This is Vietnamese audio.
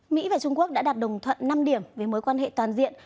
mỹ và trung quốc đã đạt đồng thuận năm điểm với mối quan hệ toàn diện